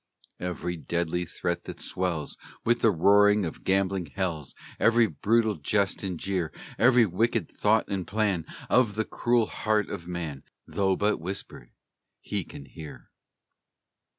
Every deadly threat that swells With the roar of gambling hells, Every brutal jest and jeer, Every wicked thought and plan Of the cruel heart of man, Though but whispered, He can hear!